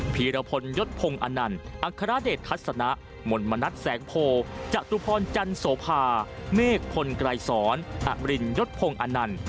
ภีรพลยศพงศ์อันนั่นอังคารเดชทัศนะหมลมณัฐแสงโพจตุพรจันทร์โสภาเมฆพลไกรศรอับรินยศพงศ์อันนั่น